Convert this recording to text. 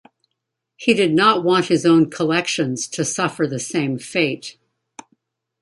He did not want his own collections to suffer the same fate.